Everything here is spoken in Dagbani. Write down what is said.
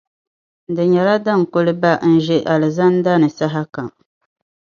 Di nyɛla din kuli ba n-ʒe alizanda ni sahakam.